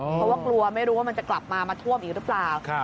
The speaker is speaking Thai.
เพราะว่ากลัวไม่รู้ว่ามันจะกลับมามาท่วมอีกหรือเปล่า